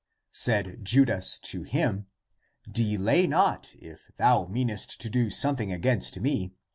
Said Judas to him, " Delay not, if thou meanest to do something (against me).